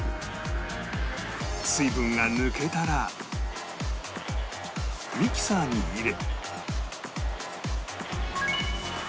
水分が抜けたらミキサーに入れ